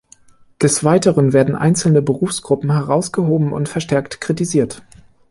Des Weiteren werden einzelne Berufsgruppen herausgehoben und verstärkt kritisiert.